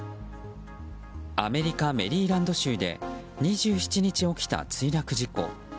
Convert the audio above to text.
アメリカ・メリーランド州で２７日起きた墜落事故。